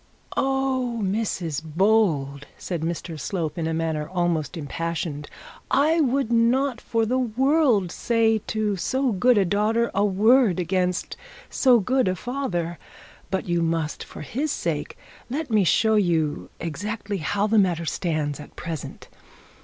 'Oh, Mrs Bold!' said Mr Slope, in a manner almost impassioned. 'I would not, for the world, say to so good a daughter a word against so good a father. But you must, for his sake, let me show you exactly how the matter stands at present.